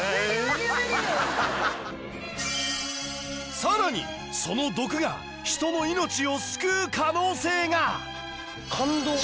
更にその毒が人の命を救う可能性が！